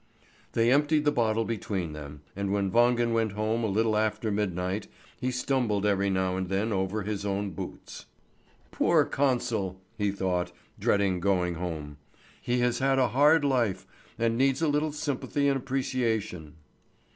They emptied the bottle between them, and when Wangen went home a little after midnight, he stumbled every now and then over his own boots. "Poor consul!" he thought, dreading going home; "he has had a hard life, and needs a little sympathy and appreciation."